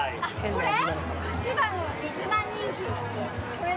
これ？